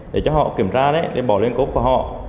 để cho họ kiểm tra để bỏ lên cốp của họ